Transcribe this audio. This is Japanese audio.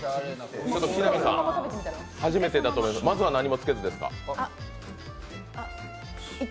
木南さん、初めてだと思いますがまずは何もつけずですか？